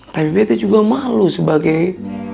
tapi beta juga malu sebagai